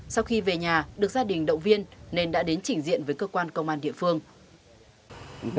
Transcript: sau khi về nhà được gia đình động viên nên đã đến trình diện với cơ quan công an địa phương